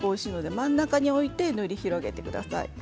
真ん中に置いて塗り広げてください。